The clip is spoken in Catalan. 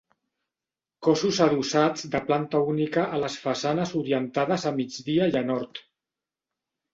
Cossos adossats de planta única a les façanes orientades a migdia i a nord.